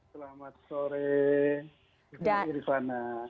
selamat sore mbak irifana